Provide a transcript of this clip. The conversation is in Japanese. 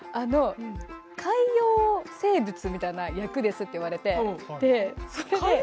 海洋生物みたいな役ですと言われて。